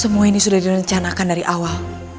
semua ini sudah direncanakan dari awal